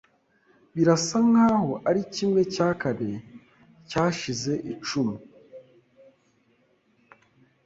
Birasa nkaho ari kimwe cya kane cyashize icumi.